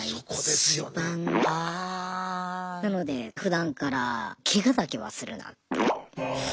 なのでふだんからケガだけはするなっていう。